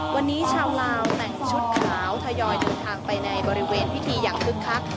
วันนี้ชาวลาวแต่งชุดขาวทยอยเดินทางไปในบริเวณพิธีอย่างคึกคัก